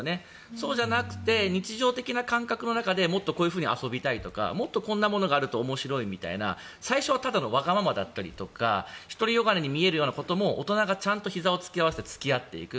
そうじゃなくて日常的な感覚の中でもっとこう遊びたいとかこんなものがあると面白いとか最初はわがままとか独りよがりに見えることにも大人がちゃんとひざを突き合わせて付き合っていく。